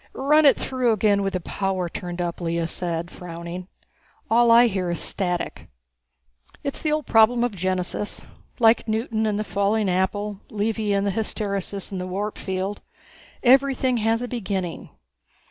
"Run it through again with the power turned up," Lea said, frowning. "All I hear is static." "It's the old problem of genesis. Like Newton and the falling apple, Levy and the hysteresis in the warp field. Everything has a beginning.